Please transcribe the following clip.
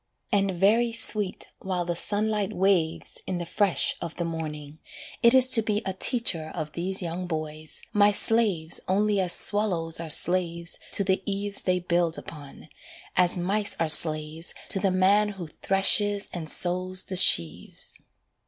And very sweet while the sunlight waves In the fresh of the morning, it is to be A teacher of these young boys, my slaves Only as swallows are slaves to the eaves They build upon, as mice are slaves To the man who threshes and sows the sheaves.